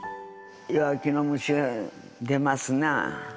弱気の虫が出ますな。